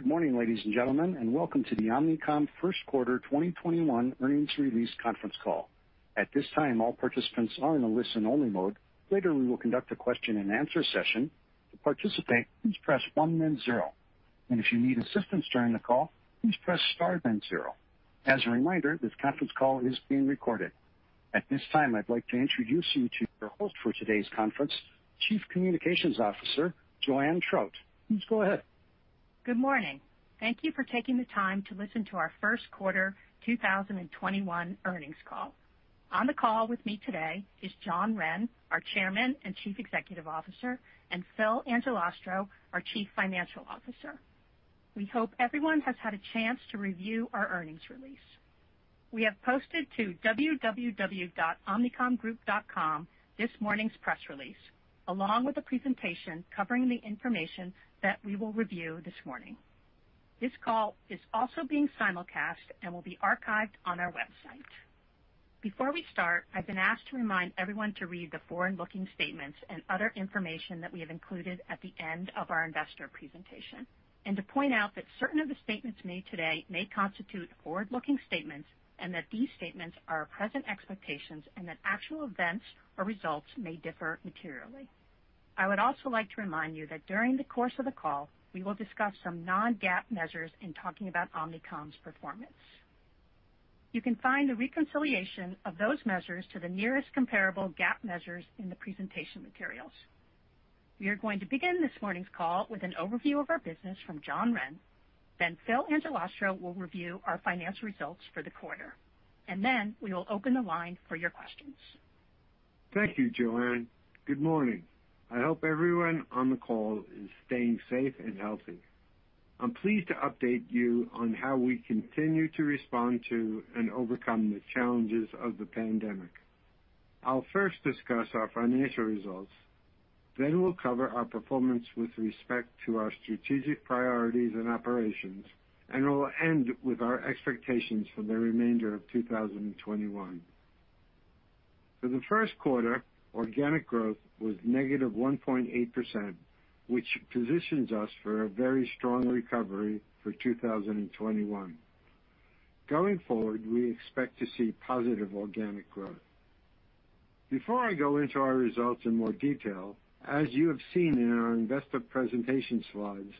Good morning, ladies and gentlemen, welcome to the Omnicom first quarter 2021 earnings release conference call. At this time, all participants are in a listen-only mode. Later, we will conduct a question-and-answer session. Participants, press one then zero. If you need assistance during the call, press star then zero. As a reminder, this conference call is being recorded. At this time, I'd like to introduce you to your host for today's conference, Chief Communications Officer, Joanne Trout. Please go ahead. Good morning. Thank you for taking the time to listen to our first quarter 2021 earnings call. On the call with me today is John Wren, our Chairman and Chief Executive Officer, and Philip Angelastro, our Chief Financial Officer. We hope everyone has had a chance to review our earnings release. We have posted to www.omnicomgroup.com this morning's press release, along with a presentation covering the information that we will review this morning. This call is also being simulcast and will be archived on our website. Before we start, I've been asked to remind everyone to read the forward-looking statements and other information that we have included at the end of our investor presentation, to point out that certain of the statements made today may constitute forward-looking statements, and that these statements are our present expectations, and that actual events or results may differ materially. I would also like to remind you that during the course of the call, we will discuss some non-GAAP measures in talking about Omnicom's performance. You can find a reconciliation of those measures to the nearest comparable GAAP measures in the presentation materials. We are going to begin this morning's call with an overview of our business from John Wren, then Philip Angelastro will review our financial results for the quarter, and then we will open the line for your questions. Thank you, Joanne. Good morning. I hope everyone on the call is staying safe and healthy. I'm pleased to update you on how we continue to respond to and overcome the challenges of the pandemic. I'll first discuss our financial results, then we'll cover our performance with respect to our strategic priorities and operations, and we'll end with our expectations for the remainder of 2021. For the first quarter, organic growth was -1.8%, which positions us for a very strong recovery for 2021. Going forward, we expect to see positive organic growth. Before I go into our results in more detail, as you have seen in our investor presentation slides,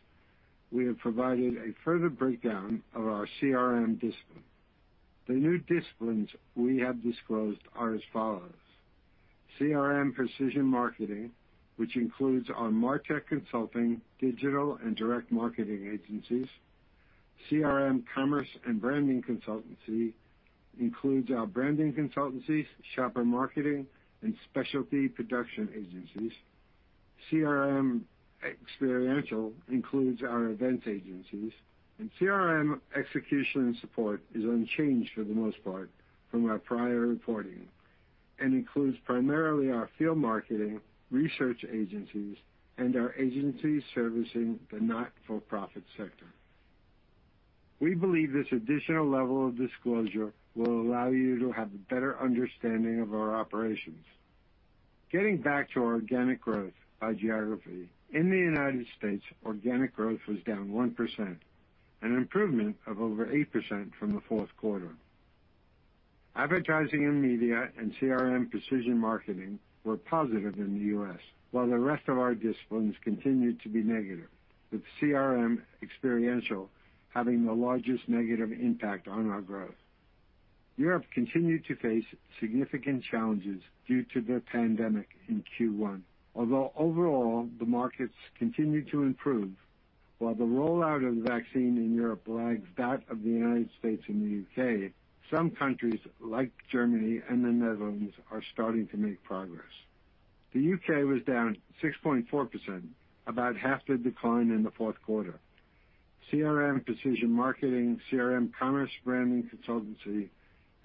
we have provided a further breakdown of our CRM discipline. The new disciplines we have disclosed are as follows: CRM Precision Marketing, which includes our MarTech consulting, digital, and direct marketing agencies. CRM Commerce and Branding Consultancy includes our branding consultancies, shopper marketing, and specialty production agencies. CRM Experiential includes our events agencies. CRM Execution and Support is unchanged for the most part from our prior reporting and includes primarily our field marketing, research agencies, and our agencies servicing the not-for-profit sector. We believe this additional level of disclosure will allow you to have a better understanding of our operations. Getting back to our organic growth by geography. In the U.S., organic growth was down 1%, an improvement of over 8% from the fourth quarter. Advertising and media and CRM Precision Marketing were positive in the U.S., while the rest of our disciplines continued to be negative, with CRM Experiential having the largest negative impact on our growth. Europe continued to face significant challenges due to the pandemic in Q1, although overall, the markets continue to improve. While the rollout of the vaccine in Europe lags that of the United States and the U.K., some countries like Germany and the Netherlands are starting to make progress. The U.K. was down 6.4%, about half the decline in the fourth quarter. CRM Precision Marketing, CRM Commerce Branding Consultancy,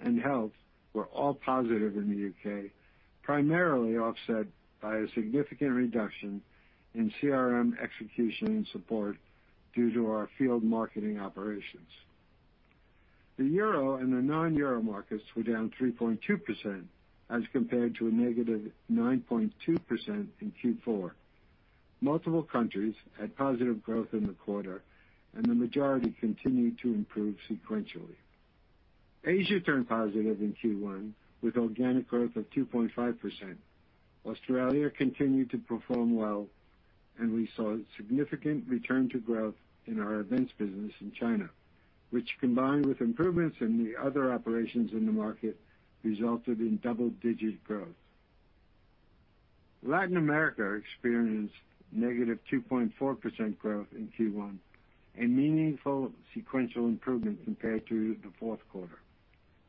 and Health were all positive in the U.K., primarily offset by a significant reduction in CRM Execution and Support due to our field marketing operations. The Euro and the non-Euro markets were down 3.2% as compared to a -9.2% in Q4. Multiple countries had positive growth in the quarter and the majority continued to improve sequentially. Asia turned positive in Q1 with organic growth of 2.5%. Australia continued to perform well, and we saw a significant return to growth in our events business in China, which, combined with improvements in the other operations in the market, resulted in double-digit growth. Latin America experienced -2.4% growth in Q1, a meaningful sequential improvement compared to the fourth quarter.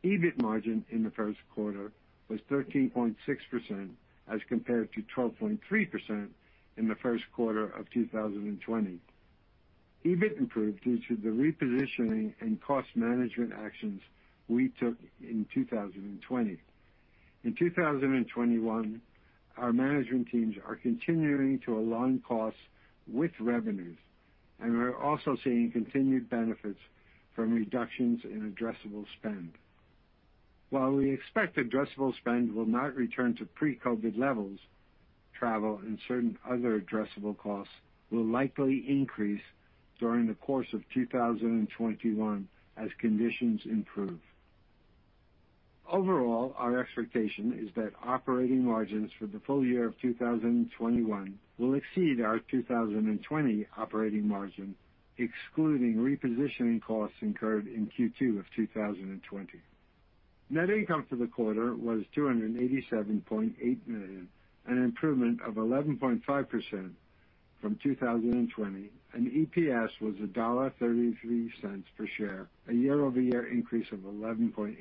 EBIT margin in the first quarter was 13.6% as compared to 12.3% in the first quarter of 2020. EBIT improved due to the repositioning and cost management actions we took in 2020. In 2021, our management teams are continuing to align costs with revenues, and we're also seeing continued benefits from reductions in addressable spend. While we expect addressable spend will not return to pre-COVID levels, travel and certain other addressable costs will likely increase during the course of 2021 as conditions improve. Overall, our expectation is that operating margins for the full year of 2021 will exceed our 2020 operating margin, excluding repositioning costs incurred in Q2 of 2020. Net income for the quarter was $287.8 million, an improvement of 11.5% from 2020, and EPS was $1.33 per share, a year-over-year increase of 11.8%.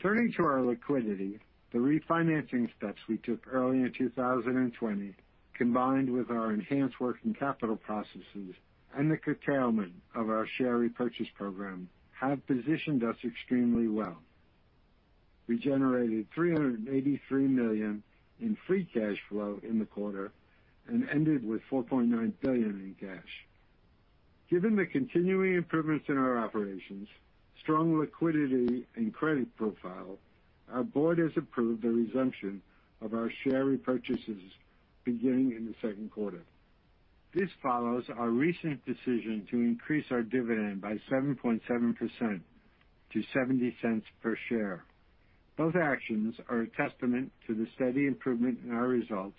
Turning to our liquidity, the refinancing steps we took early in 2020, combined with our enhanced working capital processes and the curtailment of our share repurchase program, have positioned us extremely well. We generated $383 million in free cash flow in the quarter and ended with $4.9 billion in cash. Given the continuing improvements in our operations, strong liquidity, and credit profile, our board has approved the resumption of our share repurchases beginning in the second quarter. This follows our recent decision to increase our dividend by 7.7% to $0.70 per share. Both actions are a testament to the steady improvement in our results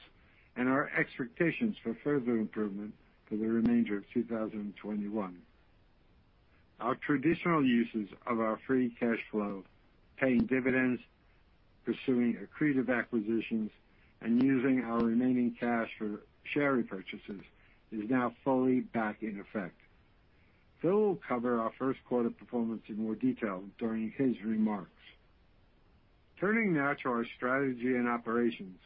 and our expectations for further improvement for the remainder of 2021. Our traditional uses of our free cash flow, paying dividends, pursuing accretive acquisitions, and using our remaining cash for share repurchases is now fully back in effect. Phil will cover our first quarter performance in more detail during his remarks. Now to our strategy and operations.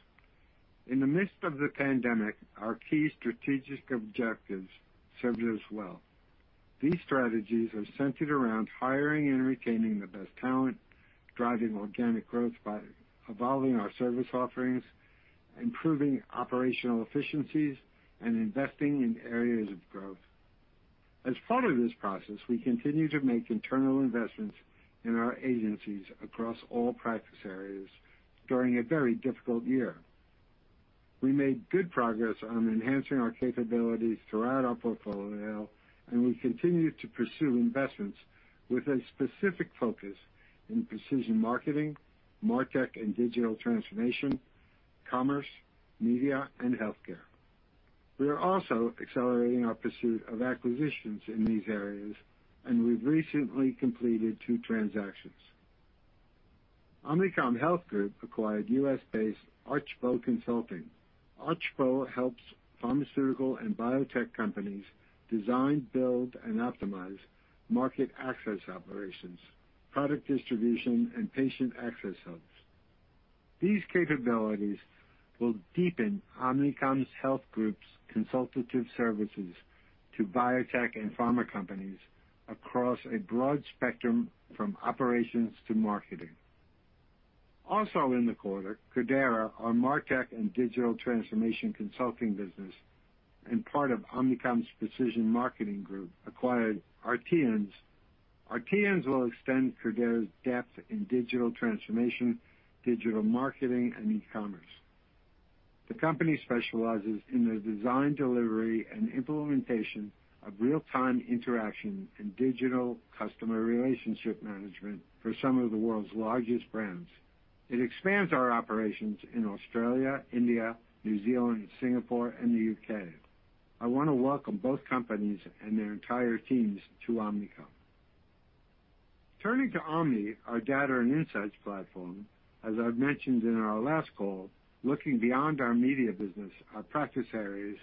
In the midst of the pandemic, our key strategic objectives served us well. These strategies are centered around hiring and retaining the best talent, driving organic growth by evolving our service offerings, improving operational efficiencies, and investing in areas of growth. As part of this process, we continue to make internal investments in our agencies across all practice areas during a very difficult year. We made good progress on enhancing our capabilities throughout our portfolio. We continue to pursue investments with a specific focus in precision marketing, martech and digital transformation, commerce, media, and healthcare. We are also accelerating our pursuit of acquisitions in these areas. We've recently completed two transactions. Omnicom Health Group acquired U.S.-based Archbow Consulting. Archbow helps pharmaceutical and biotech companies design, build, and optimize market access operations, product distribution, and patient access hubs. These capabilities will deepen Omnicom Health Group's consultative services to biotech and pharma companies across a broad spectrum from operations to marketing. Also in the quarter, Credera, our MarTech and digital transformation consulting business and part of Omnicom's Precision Marketing Group, acquired Areteans. Areteans will extend Credera's depth in digital transformation, digital marketing, and e-commerce. The company specializes in the design, delivery, and implementation of real-time interaction and digital customer relationship management for some of the world's largest brands. It expands our operations in Australia, India, New Zealand, Singapore, and the U.K. I want to welcome both companies and their entire teams to Omnicom. Turning to Omni, our data and insights platform, as I've mentioned in our last call, looking beyond our media business, our practice areas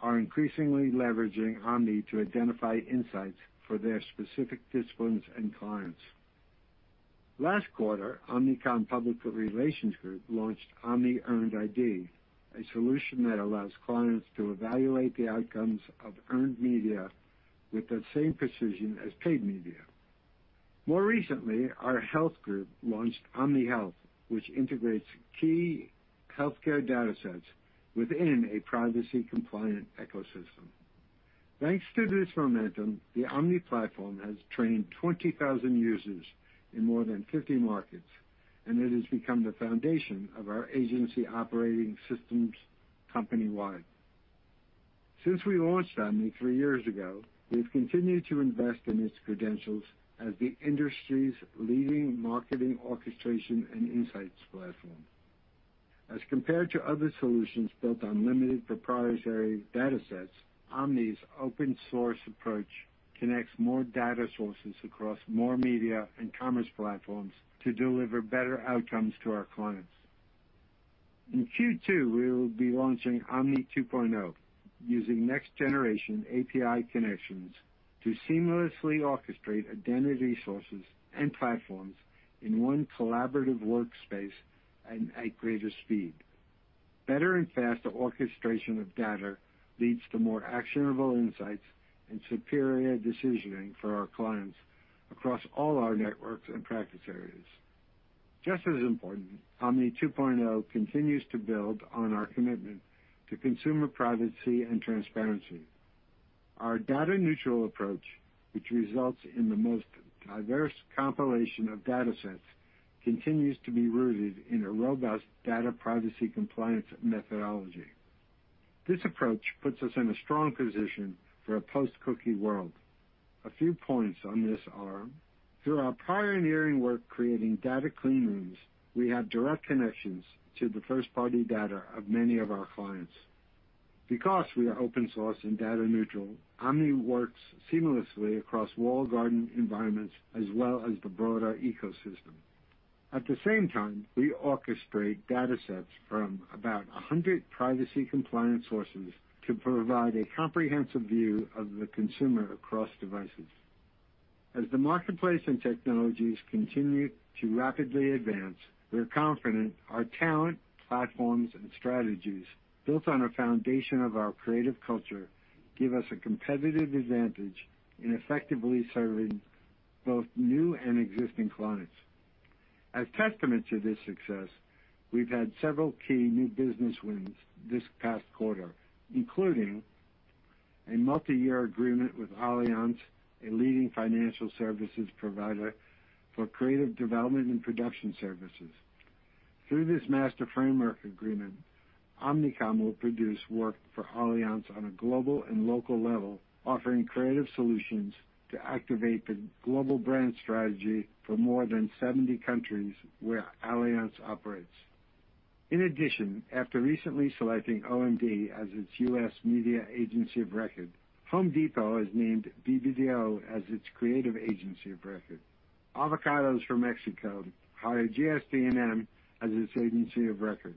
are increasingly leveraging Omni to identify insights for their specific disciplines and clients. Last quarter, Omnicom Public Relations Group launched omniearnedID, a solution that allows clients to evaluate the outcomes of earned media with the same precision as paid media. More recently, our health group launched Omni Health, which integrates key healthcare data sets within a privacy-compliant ecosystem. Thanks to this momentum, the Omni platform has trained 20,000 users in more than 50 markets, and it has become the foundation of our agency operating systems company-wide. Since we launched Omni three years ago, we've continued to invest in its credentials as the industry's leading marketing orchestration and insights platform. As compared to other solutions built on limited proprietary data sets, Omni's open-source approach connects more data sources across more media and commerce platforms to deliver better outcomes to our clients. In Q2, we will be launching Omni 2.0 using next-generation API connections to seamlessly orchestrate identity sources and platforms in one collaborative workspace and at greater speed. Better and faster orchestration of data leads to more actionable insights and superior decisioning for our clients across all our networks and practice areas. Just as important, Omni 2.0 continues to build on our commitment to consumer privacy and transparency. Our data neutral approach, which results in the most diverse compilation of data sets, continues to be rooted in a robust data privacy compliance methodology. This approach puts us in a strong position for a post-cookie world. A few points on this are, through our pioneering work creating data clean rooms, we have direct connections to the first-party data of many of our clients. Because we are open source and data neutral, Omni works seamlessly across walled garden environments as well as the broader ecosystem. At the same time, we orchestrate data sets from about 100 privacy compliance sources to provide a comprehensive view of the consumer across devices. As the marketplace and technologies continue to rapidly advance, we're confident our talent, platforms, and strategies, built on a foundation of our creative culture, give us a competitive advantage in effectively serving both new and existing clients. As testament to this success, we've had several key new business wins this past quarter, including a multi-year agreement with Allianz, a leading financial services provider, for creative development and production services. Through this master framework agreement, Omnicom will produce work for Allianz on a global and local level, offering creative solutions to activate the global brand strategy for more than 70 countries where Allianz operates. In addition, after recently selecting OMD as its U.S. media agency of record, The Home Depot has named BBDO as its creative agency of record. Avocados From Mexico hired GSD&M as its agency of record.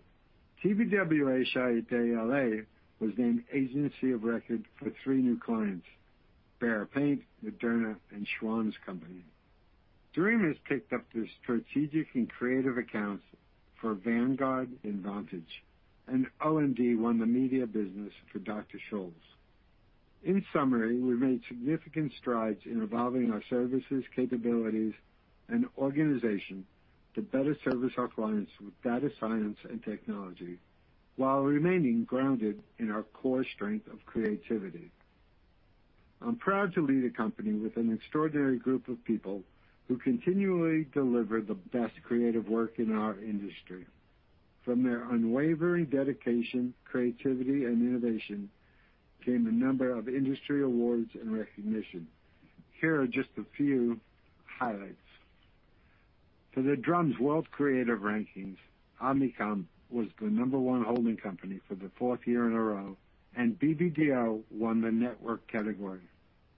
TBWA\Chiat\Day LA was named agency of record for three new clients, Behr Paint, Moderna, and Schwan's Company. [Dream] has picked up the strategic and creative accounts for Vanguard and Vantage, and OMD won the media business for Dr. Scholl's. In summary, we've made significant strides in evolving our services, capabilities, and organization to better service our clients with data science and technology while remaining grounded in our core strength of creativity. I'm proud to lead a company with an extraordinary group of people who continually deliver the best creative work in our industry. From their unwavering dedication, creativity, and innovation came a number of industry awards and recognition. Here are just a few highlights. For The Drum's World Creative Rankings, Omnicom was the number one holding company for the fourth year in a row, and BBDO won the network category.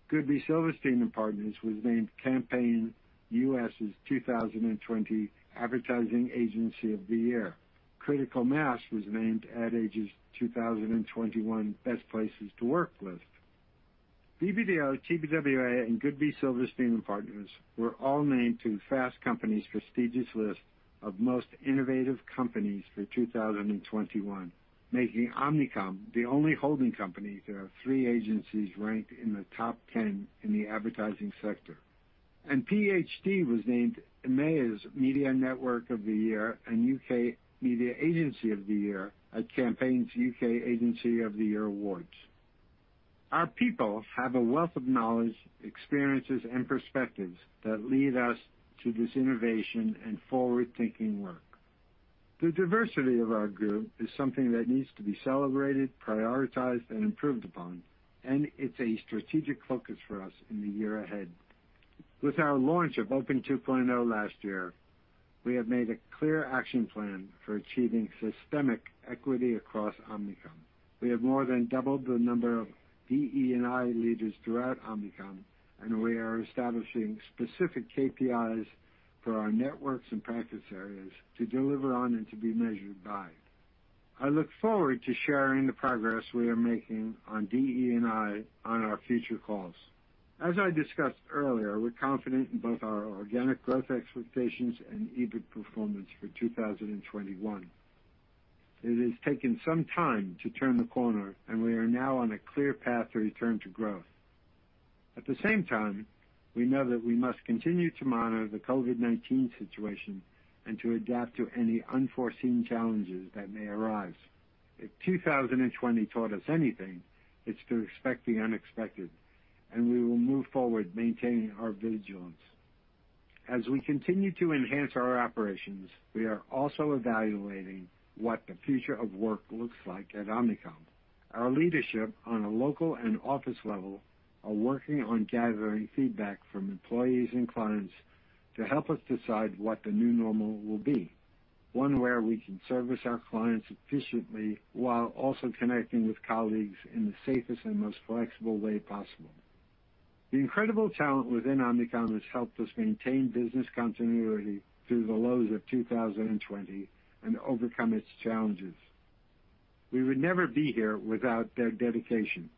Goodby Silverstein & Partners was named Campaign US's 2020 Advertising Agency of the Year. Critical Mass was named Ad Age's 2021 Best Places to Work list. BBDO, TBWA, and Goodby Silverstein & Partners were all named to Fast Company's prestigious list of most innovative companies for 2021, making Omnicom the only holding company to have three agencies ranked in the top 10 in the advertising sector. PHD was named EMEA's Media Network of the Year and U.K. Media Agency of the Year at Campaign's U.K. Agency of the Year Awards. Our people have a wealth of knowledge, experiences, and perspectives that lead us to this innovation and forward-thinking work. The diversity of our group is something that needs to be celebrated, prioritized, and improved upon, and it's a strategic focus for us in the year ahead. With our launch of OPEN 2.0 last year, we have made a clear action plan for achieving systemic equity across Omnicom. We have more than doubled the number of DE&I leaders throughout Omnicom, and we are establishing specific KPIs for our networks and practice areas to deliver on and to be measured by. I look forward to sharing the progress we are making on DE&I on our future calls. As I discussed earlier, we're confident in both our organic growth expectations and EBIT performance for 2021. It has taken some time to turn the corner, and we are now on a clear path to return to growth. At the same time, we know that we must continue to monitor the COVID-19 situation and to adapt to any unforeseen challenges that may arise. If 2020 taught us anything, it's to expect the unexpected, and we will move forward maintaining our vigilance. As we continue to enhance our operations, we are also evaluating what the future of work looks like at Omnicom. Our leadership on a local and office level are working on gathering feedback from employees and clients to help us decide what the new normal will be. One where we can service our clients efficiently while also connecting with colleagues in the safest and most flexible way possible. The incredible talent within Omnicom has helped us maintain business continuity through the lows of 2020 and overcome its challenges. We would never be here without their dedication,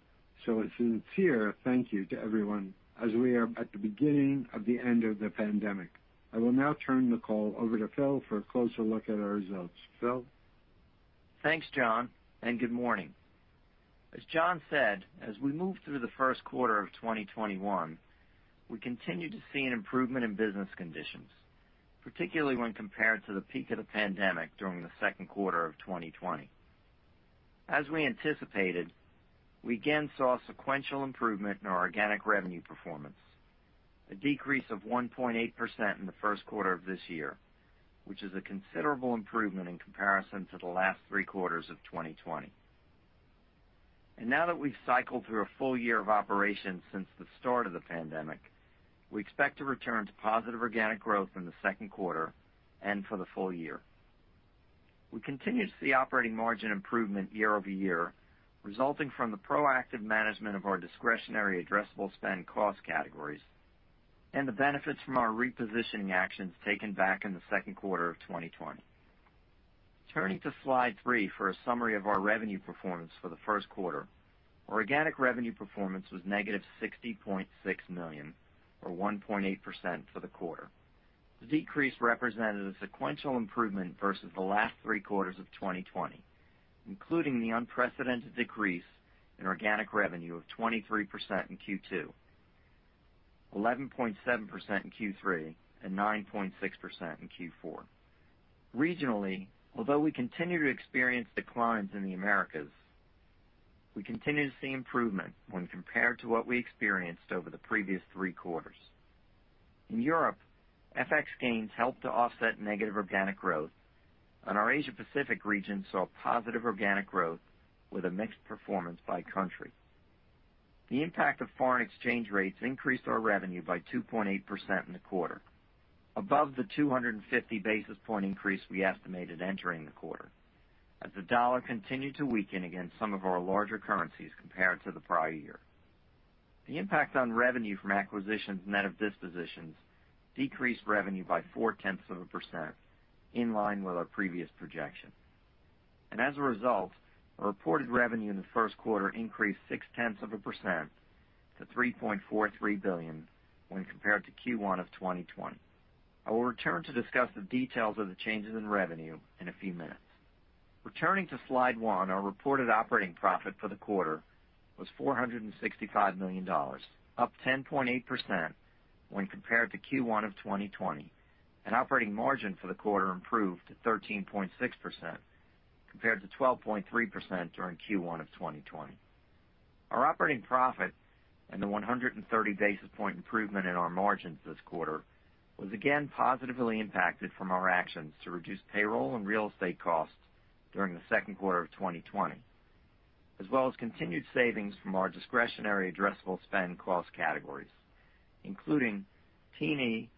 so a sincere thank you to everyone as we are at the beginning of the end of the pandemic. I will now turn the call over to Phil for a closer look at our results. Phil? Thanks, John. Good morning. As John said, as we move through the first quarter of 2021, we continue to see an improvement in business conditions, particularly when compared to the peak of the pandemic during the second quarter of 2020. As we anticipated, we again saw sequential improvement in our organic revenue performance, a decrease of 1.8% in the first quarter of this year, which is a considerable improvement in comparison to the last three quarters of 2020. Now that we've cycled through a full year of operations since the start of the pandemic, we expect to return to positive organic growth in the second quarter and for the full year. We continue to see operating margin improvement year-over-year, resulting from the proactive management of our discretionary addressable spend cost categories and the benefits from our repositioning actions taken back in the second quarter of 2020. Turning to slide three for a summary of our revenue performance for the first quarter. Our organic revenue performance was negative $60.6 million or 1.8% for the quarter. The decrease represented a sequential improvement versus the last three quarters of 2020, including the unprecedented decrease in organic revenue of 23% in Q2, 11.7% in Q3, and 9.6% in Q4. Regionally, although we continue to experience declines in the Americas, we continue to see improvement when compared to what we experienced over the previous three quarters. In Europe, FX gains helped to offset negative organic growth, and our Asia Pacific region saw positive organic growth with a mixed performance by country. The impact of foreign exchange rates increased our revenue by 2.8% in the quarter, above the 250 basis points increase we estimated entering the quarter, as the dollar continued to weaken against some of our larger currencies compared to the prior year. The impact on revenue from acquisitions net of dispositions decreased revenue by 0.4%, in line with our previous projection. As a result, our reported revenue in the first quarter 0.6% To $3.43 billion when compared to Q1 of 2020. I will return to discuss the details of the changes in revenue in a few minutes. Returning to slide one, our reported operating profit for the quarter was $465 million, up 10.8% when compared to Q1 of 2020. Operating margin for the quarter improved to 13.6% compared to 12.3% during Q1 of 2020. Our operating profit and the 130 basis point improvement in our margins this quarter was again positively impacted from our actions to reduce payroll and real estate costs during the second quarter of 2020, as well as continued savings from our discretionary addressable spend cost categories, including T&E,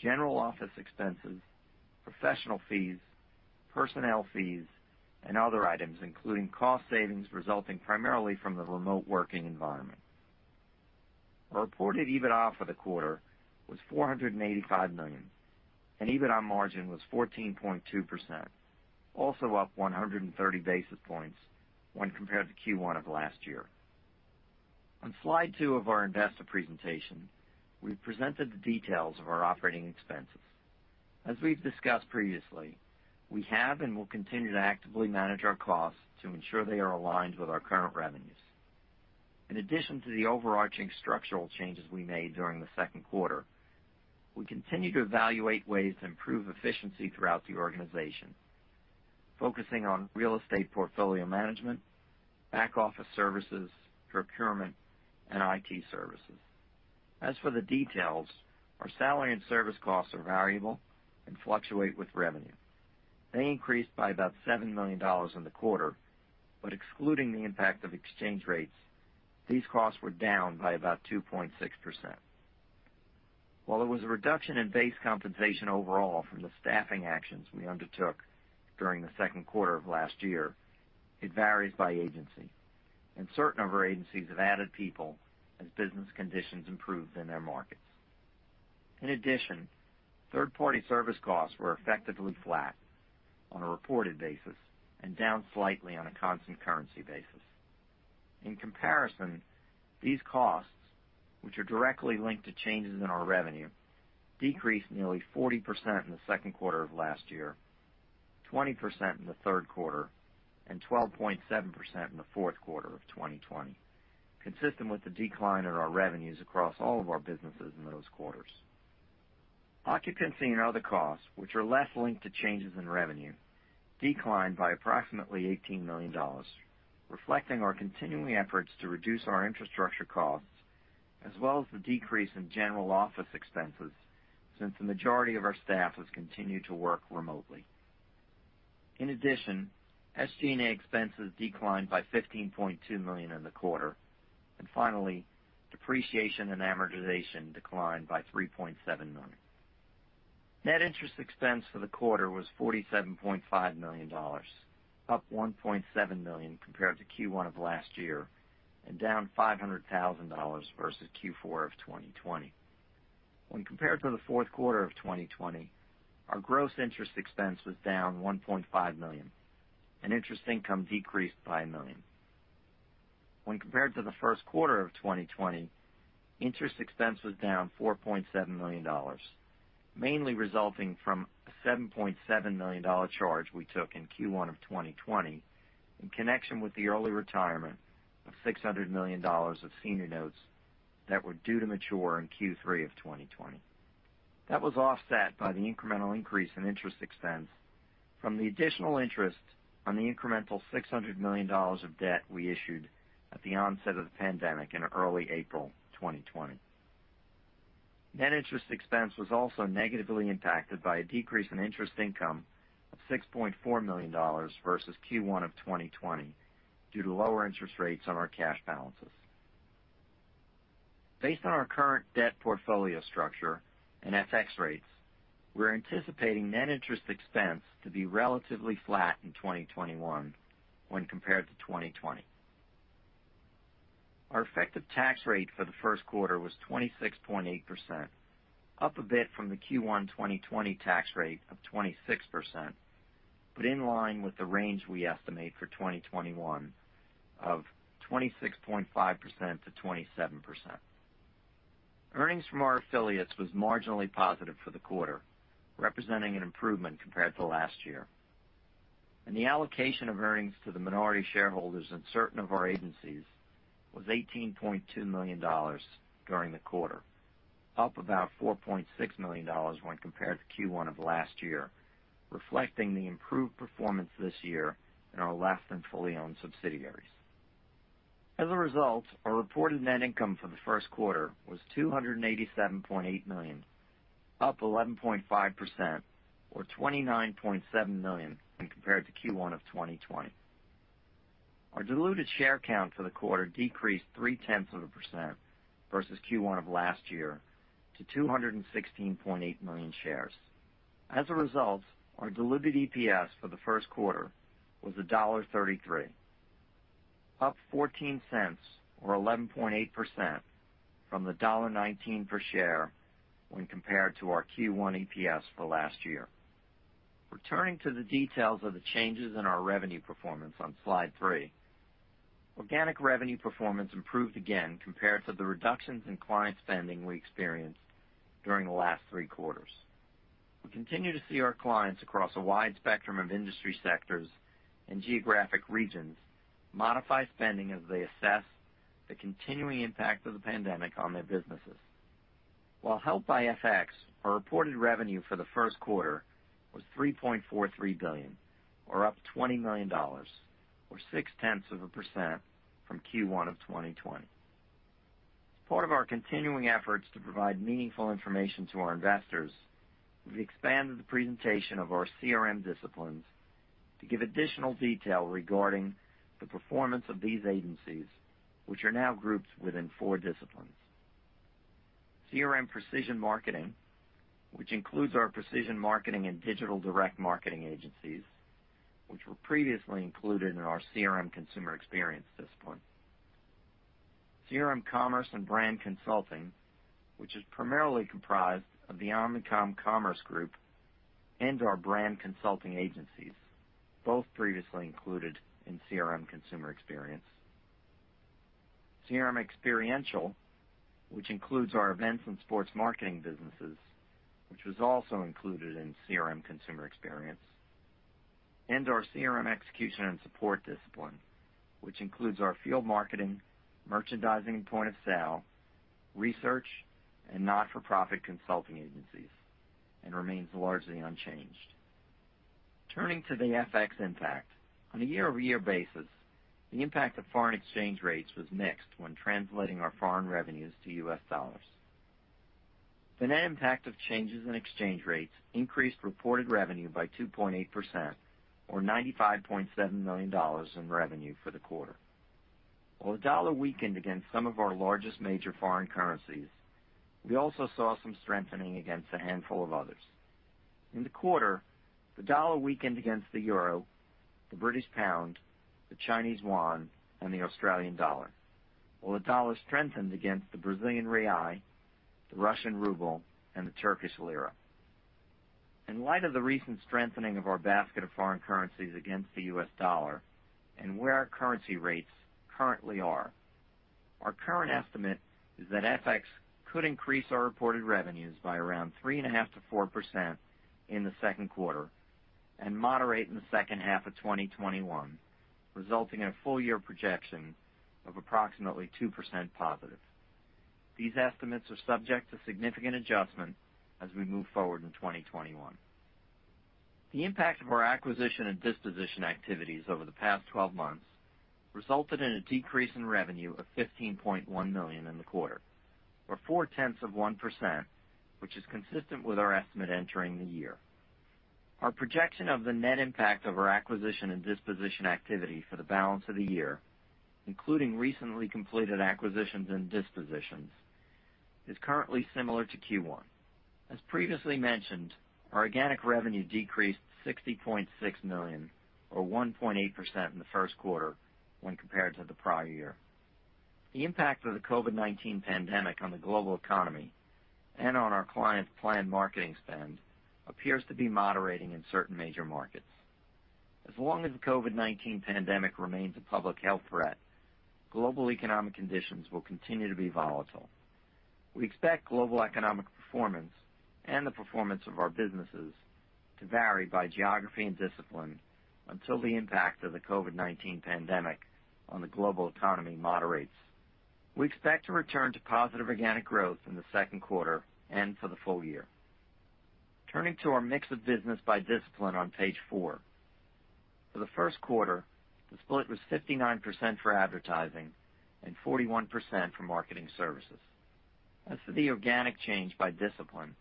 general office expenses, professional fees, personnel fees, and other items, including cost savings resulting primarily from the remote working environment. Our reported EBITDA for the quarter was $485 million, and EBITDA margin was 14.2%, also up 130 basis points when compared to Q1 of last year. On slide two of our investor presentation, we've presented the details of our operating expenses. As we've discussed previously, we have and will continue to actively manage our costs to ensure they are aligned with our current revenues. In addition to the overarching structural changes we made during the second quarter, we continue to evaluate ways to improve efficiency throughout the organization, focusing on real estate portfolio management, back office services, procurement, and IT services. As for the details, our salary and service costs are variable and fluctuate with revenue. They increased by about $7 million in the quarter, but excluding the impact of exchange rates, these costs were down by about 2.6%. While there was a reduction in base compensation overall from the staffing actions we undertook during the second quarter of last year, it varies by agency, and certain of our agencies have added people as business conditions improved in their markets. In addition, third-party service costs were effectively flat on a reported basis and down slightly on a constant currency basis. In comparison, these costs, which are directly linked to changes in our revenue, decreased nearly 40% in the second quarter of last year, 20% in the third quarter, and 12.7% in the fourth quarter of 2020, consistent with the decline in our revenues across all of our businesses in those quarters. Occupancy and other costs, which are less linked to changes in revenue, declined by approximately $18 million, reflecting our continuing efforts to reduce our infrastructure costs as well as the decrease in general office expenses since the majority of our staff has continued to work remotely. In addition, SG&A expenses declined by $15.2 million in the quarter. Finally, depreciation and amortization declined by $3.7 million. Net interest expense for the quarter was $47.5 million, up $1.7 million compared to Q1 of last year and down $500,000 versus Q4 of 2020. When compared to the fourth quarter of 2020, our gross interest expense was down $1.5 million and interest income decreased by $1 million. When compared to the first quarter of 2020, interest expense was down $4.7 million, mainly resulting from a $7.7 million charge we took in Q1 of 2020 in connection with the early retirement of $600 million of senior notes that were due to mature in Q3 of 2020. That was offset by the incremental increase in interest expense from the additional interest on the incremental $600 million of debt we issued at the onset of the pandemic in early April 2020. Net interest expense was also negatively impacted by a decrease in interest income of $6.4 million versus Q1 of 2020, due to lower interest rates on our cash balances. Based on our current debt portfolio structure and FX rates, we're anticipating net interest expense to be relatively flat in 2021 when compared to 2020. Our effective tax rate for the first quarter was 26.8%, up a bit from the Q1 2020 tax rate of 26%, but in line with the range we estimate for 2021 of 26.5%-27%. Earnings from our affiliates was marginally positive for the quarter, representing an improvement compared to last year. The allocation of earnings to the minority shareholders in certain of our agencies was $18.2 million during the quarter, up about $4.6 million when compared to Q1 of last year, reflecting the improved performance this year in our less than fully owned subsidiaries. As a result, our reported net income for the first quarter was $287.8 million, up 11.5%, or $29.7 million when compared to Q1 of 2020. Our diluted share count for the quarter decreased 0.3% versus Q1 of last year to 216.8 million shares. As a result, our diluted EPS for the first quarter was $1.33, up $0.14 or 11.8% from the $1.19 per share when compared to our Q1 EPS for last year. Returning to the details of the changes in our revenue performance on slide three. Organic revenue performance improved again compared to the reductions in client spending we experienced during the last three quarters. We continue to see our clients across a wide spectrum of industry sectors and geographic regions modify spending as they assess the continuing impact of the pandemic on their businesses. While helped by FX, our reported revenue for the first quarter was $3.43 billion, or up $20 million, or 0.6% from Q1 of 2020. As part of our continuing efforts to provide meaningful information to our investors, we've expanded the presentation of our CRM disciplines to give additional detail regarding the performance of these agencies, which are now grouped within four disciplines. CRM Precision Marketing, which includes our precision marketing and digital direct marketing agencies, which were previously included in our CRM Consumer Experience discipline. CRM Commerce and Brand Consulting, which is primarily comprised of the Omnicom Commerce Group and our brand consulting agencies, both previously included in CRM Consumer Experience. CRM Experiential, which includes our events and sports marketing businesses, which was also included in CRM Consumer Experience. Our CRM Execution and Support discipline, which includes our field marketing, merchandising and point of sale, research, and not-for-profit consulting agencies, and remains largely unchanged. Turning to the FX impact. On a year-over-year basis, the impact of foreign exchange rates was mixed when translating our foreign revenues to U.S. dollars. The net impact of changes in exchange rates increased reported revenue by 2.8%, or $95.7 million in revenue for the quarter. While the dollar weakened against some of our largest major foreign currencies, we also saw some strengthening against a handful of others. In the quarter, the dollar weakened against the euro, the British pound, the Chinese yuan, and the Australian dollar, while the dollar strengthened against the Brazilian real, the Russian ruble, and the Turkish lira. In light of the recent strengthening of our basket of foreign currencies against the U.S. dollar and where our currency rates currently are, our current estimate is that FX could increase our reported revenues by around 3.5%-4% in the second quarter and moderate in the second half of 2021, resulting in a full year projection of approximately 2% positive. These estimates are subject to significant adjustment as we move forward in 2021. The impact of our acquisition and disposition activities over the past 12 months resulted in a decrease in revenue of $15.1 million in the quarter, or 0.4%, which is consistent with our estimate entering the year. Our projection of the net impact of our acquisition and disposition activity for the balance of the year, including recently completed acquisitions and dispositions, is currently similar to Q1. As previously mentioned, our organic revenue decreased $60.6 million or 1.8% in the first quarter when compared to the prior year. The impact of the COVID-19 pandemic on the global economy and on our clients' planned marketing spend appears to be moderating in certain major markets. As long as the COVID-19 pandemic remains a public health threat, global economic conditions will continue to be volatile. We expect global economic performance and the performance of our businesses to vary by geography and discipline until the impact of the COVID-19 pandemic on the global economy moderates. We expect to return to positive organic growth in the second quarter and for the full year. Turning to our mix of business by discipline on page four. For the first quarter, the split was 59% for advertising and 41% for marketing services. As for the organic change by discipline,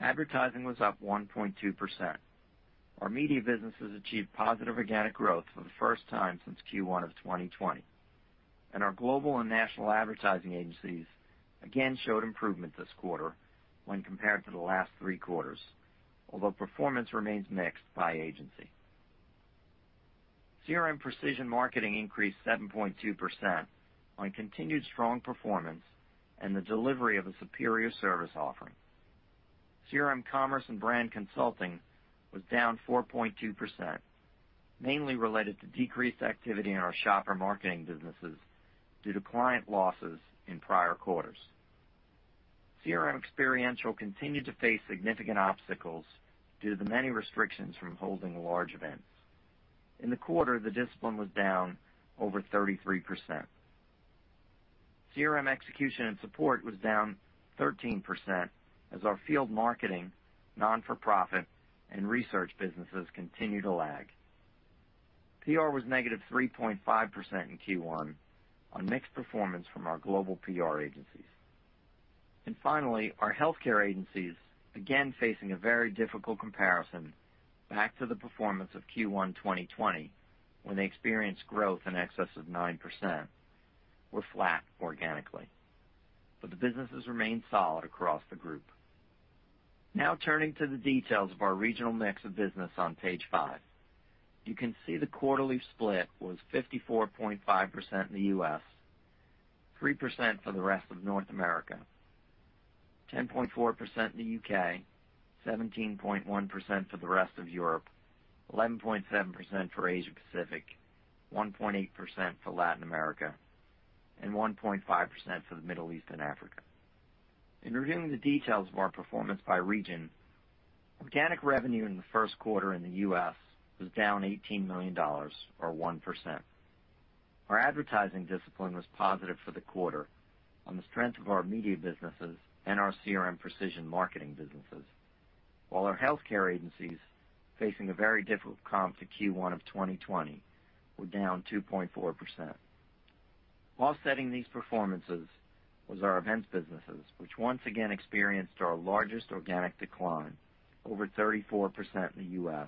advertising was up 1.2%. Our media businesses achieved positive organic growth for the first time since Q1 of 2020. Our global and national advertising agencies again showed improvement this quarter when compared to the last three quarters, although performance remains mixed by agency. CRM Precision Marketing increased 7.2% on continued strong performance and the delivery of a superior service offering. CRM Commerce and Branding Consultancy was down 4.2%, mainly related to decreased activity in our shopper marketing businesses due to client losses in prior quarters. CRM Experiential continued to face significant obstacles due to the many restrictions from holding large events. In the quarter, the discipline was down over 33%. CRM Execution and Support was down 13% as our field marketing, not-for-profit, and research businesses continue to lag. PR was -3.5% in Q1 on mixed performance from our global PR agencies. Finally, our healthcare agencies, again facing a very difficult comparison back to the performance of Q1 2020, when they experienced growth in excess of 9%, were flat organically. The businesses remain solid across the group. Turning to the details of our regional mix of business on page five. You can see the quarterly split was 54.5% in the U.S., 3% for the rest of North America, 10.4% in the U.K., 17.1% for the rest of Europe, 11.7% for Asia Pacific, 1.8% for Latin America, and 1.5% for the Middle East and Africa. In reviewing the details of our performance by region, organic revenue in the first quarter in the U.S. was down $18 million, or 1%. Our advertising discipline was positive for the quarter on the strength of our media businesses and our CRM Precision Marketing businesses. While our healthcare agencies, facing a very difficult comp to Q1 of 2020, were down 2.4%. Offsetting these performances was our events businesses, which once again experienced our largest organic decline, over 34% in the U.S.,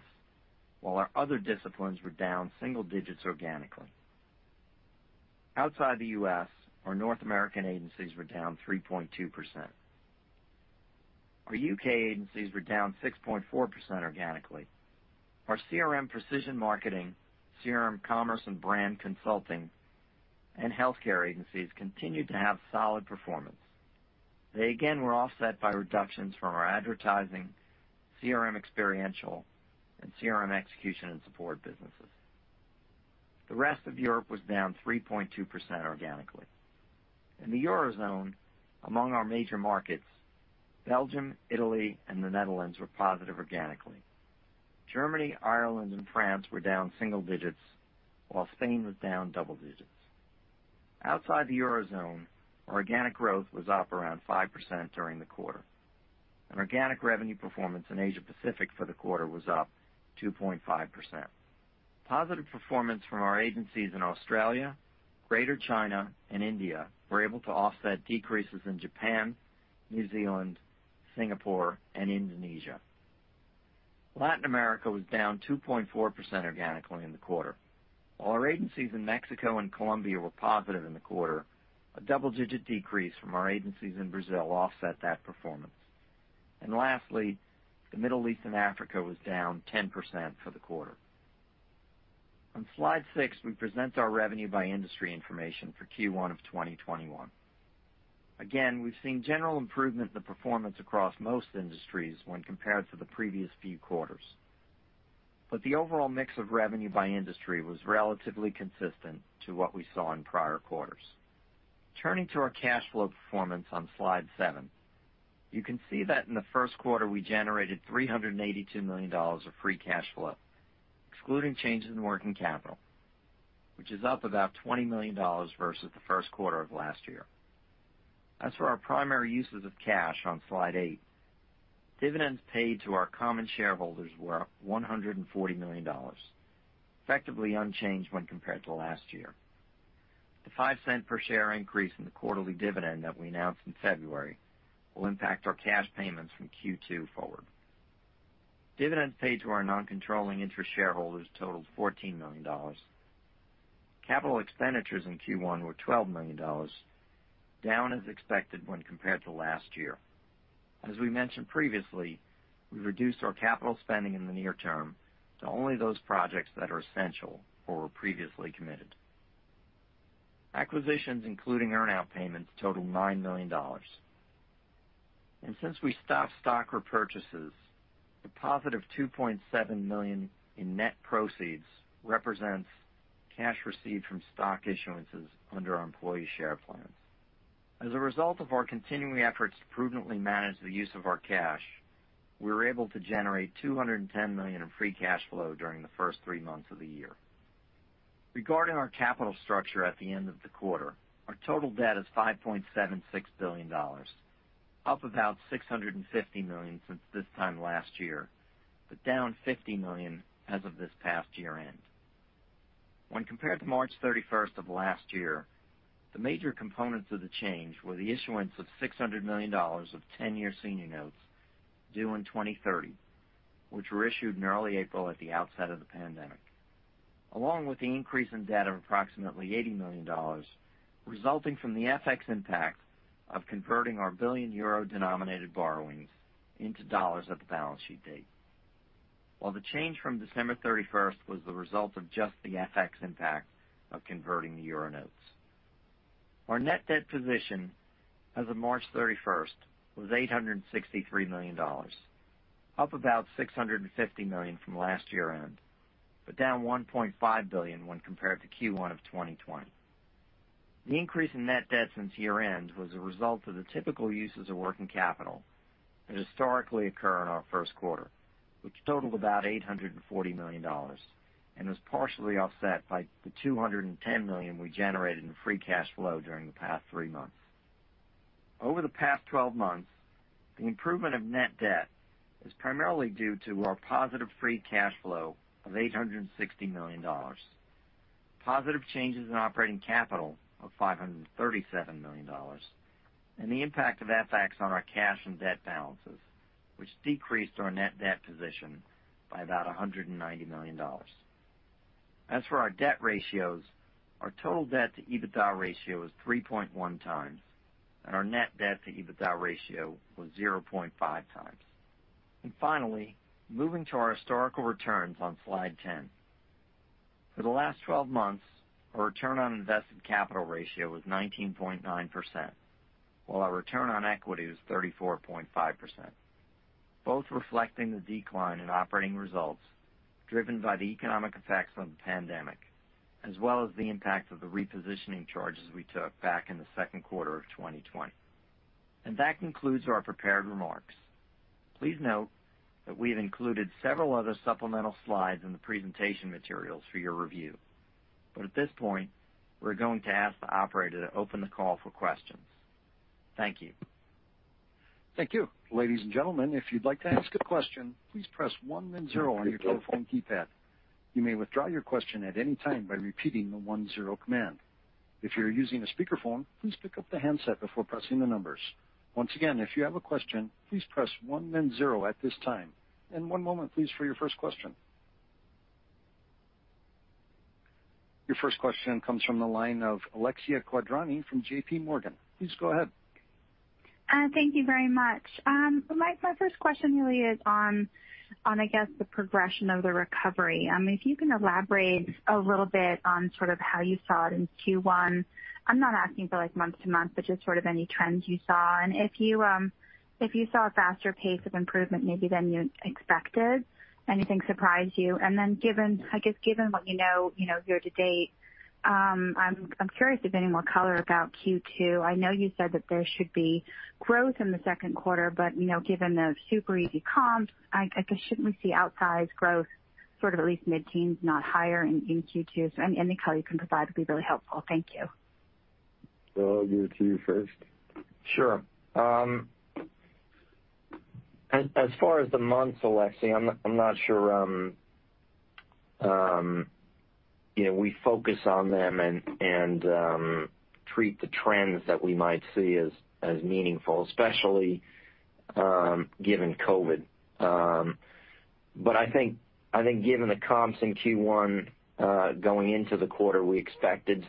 while our other disciplines were down single digits organically. Outside the U.S., our North American agencies were down 3.2%. Our U.K. agencies were down 6.4% organically. Our CRM and Precision Marketing, CRM Commerce and Branding Consultancy, and healthcare agencies continued to have solid performance. They again were offset by reductions from our advertising, CRM Experiential, and CRM Execution and Support businesses. The rest of Europe was down 3.2% organically. In the Eurozone, among our major markets, Belgium, Italy, and the Netherlands were positive organically. Germany, Ireland, and France were down single digits, while Spain was down double digits. Outside the Eurozone, organic growth was up around 5% during the quarter, and organic revenue performance in Asia Pacific for the quarter was up 2.5%. Positive performance from our agencies in Australia, Greater China, and India were able to offset decreases in Japan, New Zealand, Singapore, and Indonesia. Latin America was down 2.4% organically in the quarter. While our agencies in Mexico and Colombia were positive in the quarter, a double-digit decrease from our agencies in Brazil offset that performance. Lastly, the Middle East and Africa was down 10% for the quarter. On slide six, we present our revenue by industry information for Q1 of 2021. Again, we've seen general improvement in the performance across most industries when compared to the previous few quarters. The overall mix of revenue by industry was relatively consistent to what we saw in prior quarters. Turning to our cash flow performance on slide seven, you can see that in the first quarter, we generated $382 million of free cash flow, excluding changes in working capital, which is up about $20 million versus the first quarter of last year. As for our primary uses of cash on slide eight, dividends paid to our common shareholders were up $140 million, effectively unchanged when compared to last year. The $0.05 per share increase in the quarterly dividend that we announced in February will impact our cash payments from Q2 forward. Dividends paid to our non-controlling interest shareholders totaled $14 million. Capital expenditures in Q1 were $12 million. Down as expected when compared to last year. As we mentioned previously, we've reduced our capital spending in the near term to only those projects that are essential or were previously committed. Acquisitions including earn-out payments total $9 million. Since we stopped stock repurchases, the positive $2.7 million in net proceeds represents cash received from stock issuances under our employee share plans. As a result of our continuing efforts to prudently manage the use of our cash, we were able to generate $210 million in free cash flow during the first three months of the year. Regarding our capital structure at the end of the quarter, our total debt is $5.76 billion, up about $650 million since this time last year, but down $50 million as of this past year-end. When compared to March 31st of last year, the major components of the change were the issuance of $600 million of 10-year senior notes due in 2030, which were issued in early April at the outset of the pandemic. Along with the increase in debt of approximately $80 million, resulting from the FX impact of converting our 1 billion euro-denominated borrowings into dollars at the balance sheet date. While the change from December 31st was the result of just the FX impact of converting the euro notes. Our net debt position as of March 31st was $863 million, up about $650 million from last year-end, but down $1.5 billion when compared to Q1 of 2020. The increase in net debt since year-end was a result of the typical uses of working capital that historically occur in our first quarter, which totaled about $840 million and was partially offset by the $210 million we generated in free cash flow during the past three months. Over the past 12 months, the improvement of net debt is primarily due to our positive free cash flow of $860 million. Positive changes in operating capital of $537 million, the impact of FX on our cash and debt balances, which decreased our net debt position by about $190 million. As for our debt ratios, our total debt to EBITDA ratio is 3.1x. Our net debt to EBITDA ratio was 0.5x. Finally, moving to our historical returns on slide 10. For the last 12 months, our return on invested capital ratio was 19.9%, while our return on equity was 34.5%, both reflecting the decline in operating results driven by the economic effects from the pandemic, as well as the impact of the repositioning charges we took back in the second quarter of 2020. That concludes our prepared remarks. Please note that we have included several other supplemental slides in the presentation materials for your review. At this point, we're going to ask the operator to open the call for questions. Thank you. Thank you. Ladies and gentlemen, if you'd like to ask a question, please press one then zero on your telephone keypad. You may withdraw your question at any time by repeating the one zero command. If you're using a speakerphone, please pick up the handset before pressing the numbers. Once again, if you have a question, please press one then zero at this time. One moment, please, for your first question. Your first question comes from the line of Alexia Quadrani from JPMorgan. Please go ahead. Thank you very much. My first question really is on, I guess, the progression of the recovery. If you can elaborate a little bit on sort of how you saw it in Q1? I'm not asking for month-to-month, but just sort of any trends you saw. If you saw a faster pace of improvement maybe than you expected, anything surprise you? Then I guess given what you know year to date, I'm curious if any more color about Q2. I know you said that there should be growth in the second quarter, but given the super easy comps, I guess shouldn't we see outsized growth, sort of at least mid-teens, not higher in Q2? Any color you can provide would be really helpful. Thank you. I'll give it to you first. Sure. As far as the months, Alexia, I'm not sure. We focus on them and treat the trends that we might see as meaningful, especially given COVID. I think given the comps in Q1, going into the quarter, we expected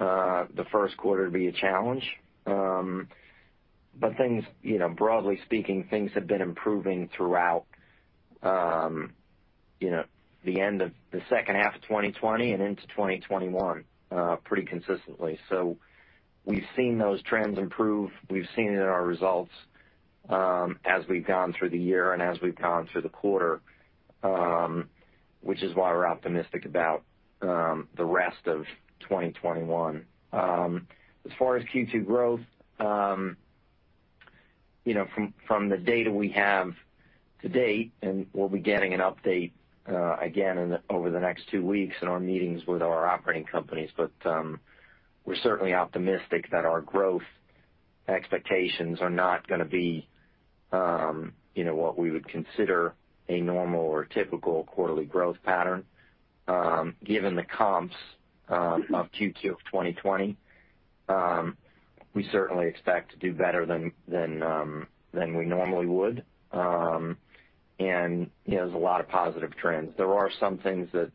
the first quarter to be a challenge. Broadly speaking, things have been improving throughout the end of the second half of 2020 and into 2021 pretty consistently. We've seen those trends improve. We've seen it in our results as we've gone through the year and as we've gone through the quarter, which is why we're optimistic about the rest of 2021. As far as Q2 growth, from the data we have to date, and we'll be getting an update again over the next two weeks in our meetings with our operating companies. We're certainly optimistic that our growth expectations are not going to be what we would consider a normal or typical quarterly growth pattern given the comps of Q2 of 2020. We certainly expect to do better than we normally would. There's a lot of positive trends. There are some things that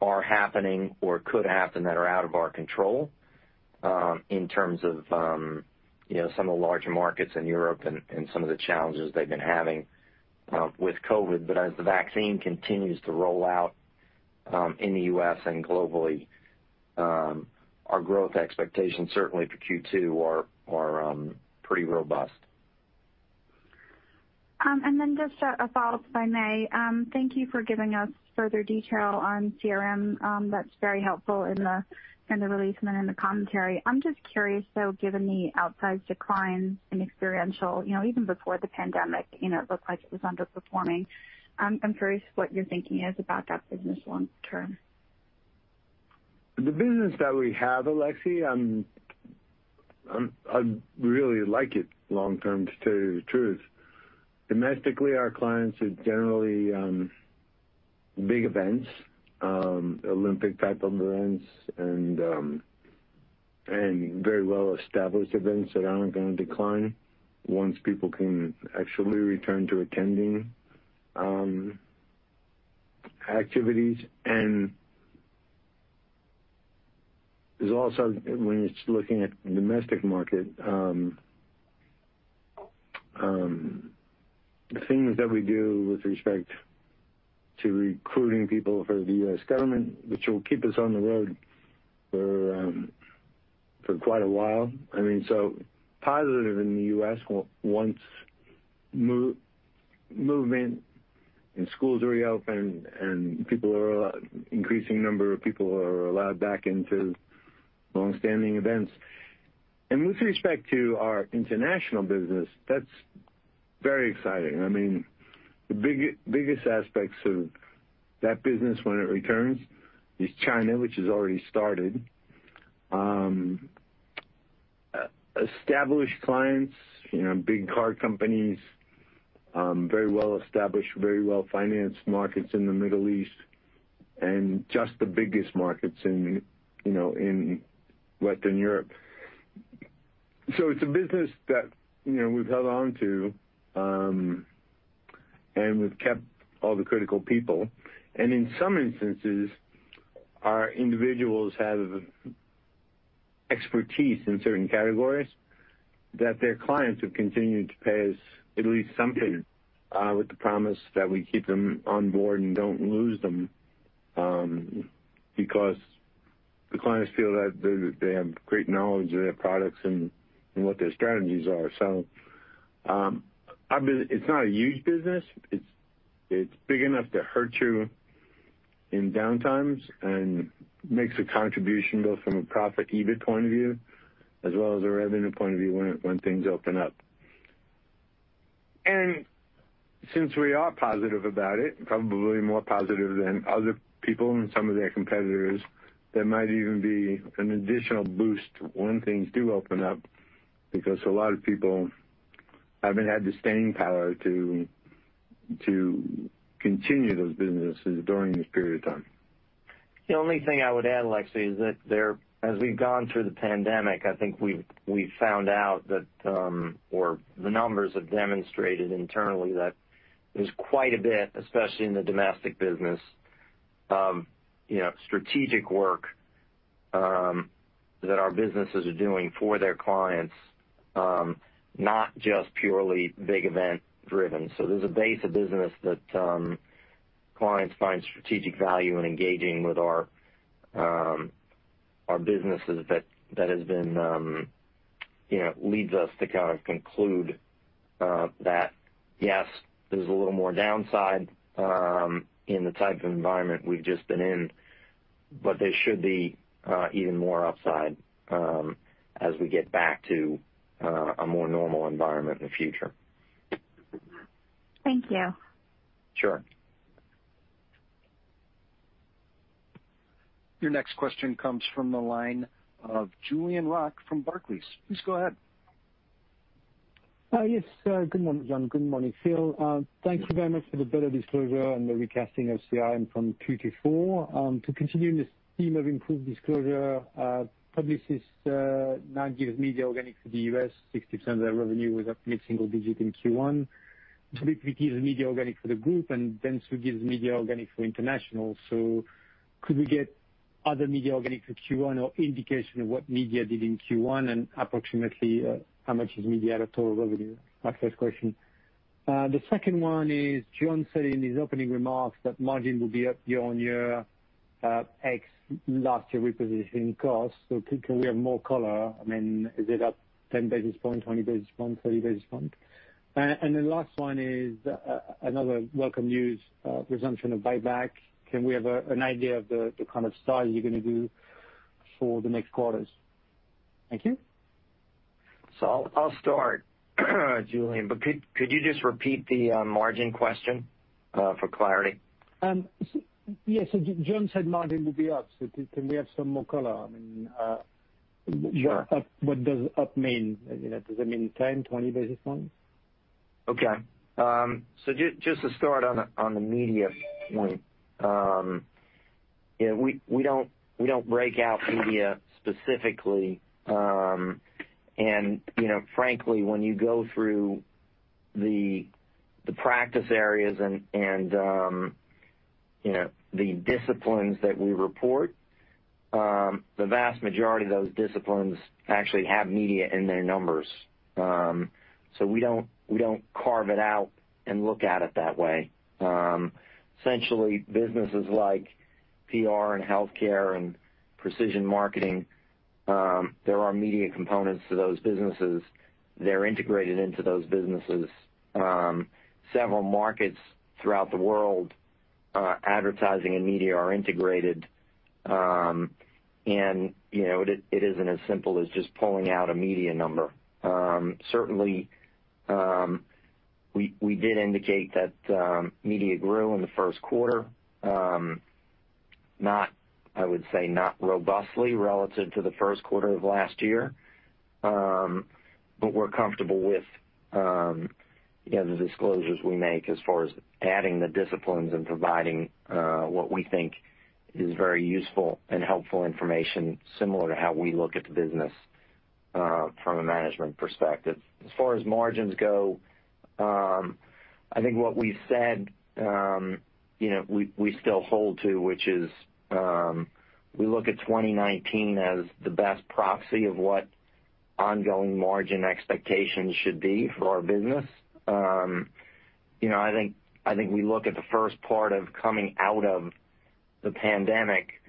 are happening or could happen that are out of our control, in terms of some of the larger markets in Europe and some of the challenges they've been having with COVID. As the vaccine continues to roll out in the U.S. and globally, our growth expectations certainly for Q2 are pretty robust. Just a follow-up, if I may. Thank you for giving us further detail on CRM. That's very helpful in the release and then in the commentary. I'm just curious, though, given the outsized decline in experiential, even before the pandemic, it looked like it was underperforming. I'm curious what your thinking is about that business long term. The business that we have, Alexia, I really like it long term, to tell you the truth. Domestically, our clients are generally big events, Olympic-type of events, and very well-established events that aren't going to decline once people can actually return to attending activities. There's also, when it's looking at domestic market, the things that we do with respect to recruiting people for the U.S. government, which will keep us on the road for quite a while. Positive in the U.S. once movement and schools reopen and increasing number of people are allowed back into longstanding events. With respect to our international business, that's very exciting. The biggest aspects of that business when it returns is China, which has already started. Established clients, big car companies, very well-established, very well-financed markets in the Middle East, and just the biggest markets in Western Europe. It's a business that we've held on to, and we've kept all the critical people. In some instances, our individuals have expertise in certain categories that their clients have continued to pay us at least something with the promise that we keep them on board and don't lose them, because the clients feel that they have great knowledge of their products and what their strategies are. It's not a huge business. It's big enough to hurt you in downtimes and makes a contribution both from a profit EBIT point of view as well as a revenue point of view when things open up. Since we are positive about it, probably more positive than other people and some of their competitors, there might even be an additional boost when things do open up, because a lot of people haven't had the staying power to continue those businesses during this period of time. The only thing I would add, Alexia, is that as we've gone through the pandemic, I think we've found out that or the numbers have demonstrated internally that there's quite a bit, especially in the domestic business, strategic work that our businesses are doing for their clients, not just purely big event driven. There's a base of business that clients find strategic value in engaging with our businesses that leads us to kind of conclude that, yes, there's a little more downside in the type of environment we've just been in, but there should be even more upside as we get back to a more normal environment in the future. Thank you. Sure. Your next question comes from the line of Julien Roch from Barclays. Please go ahead. Yes. Good morning, John. Good morning, Phil. Thank you very much for the better disclosure and the recasting of CRM from two to four. To continue in this theme of improved disclosure, Publicis now gives media organic to the U.S., 60% of their revenue was up mid-single digit in Q1. Publicis media organic for the group. Dentsu gives media organic for international. Could we get other media organic for Q1 or indication of what media did in Q1 and approximately how much is media out of total revenue? My first question. The second one is John said in his opening remarks that margin will be up year-over-year ex last year repositioning costs. Can we have more color? Is it up 10 basis points, 20 basis points, 30 basis points? Last one is another welcome news, resumption of buyback. Can we have an idea of the kind of style you're going to do for the next quarters? Thank you. I'll start, Julien, but could you just repeat the margin question for clarity? Yes. John said margin will be up. Can we have some more color? Sure. What does up mean? Does it mean 10, 20 basis points? Okay. Just to start on the media point. We don't break out media specifically. Frankly, when you go through the practice areas and the disciplines that we report, the vast majority of those disciplines actually have media in their numbers. We don't carve it out and look at it that way. Essentially, businesses like PR and healthcare and precision marketing, there are media components to those businesses. They're integrated into those businesses. Several markets throughout the world, advertising and media are integrated. It isn't as simple as just pulling out a media number. Certainly, we did indicate that media grew in the first quarter. I would say, not robustly relative to the first quarter of last year. We're comfortable with the disclosures we make as far as adding the disciplines and providing what we think is very useful and helpful information, similar to how we look at the business from a management perspective. As far as margins go, I think what we've said, we still hold to, which is, we look at 2019 as the best proxy of what ongoing margin expectations should be for our business. I think we look at the first part of coming out of the pandemic,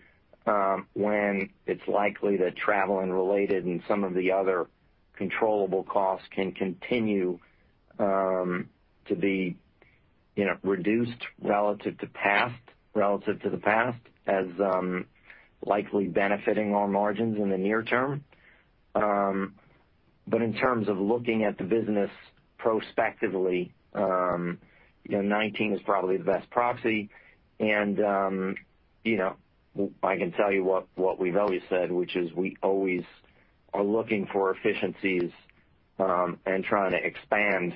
when it's likely that travel and related and some of the other controllable costs can continue to be reduced relative to the past, as likely benefiting our margins in the near term. In terms of looking at the business prospectively, 2019 is probably the best proxy. I can tell you what we've always said, which is we always are looking for efficiencies and trying to expand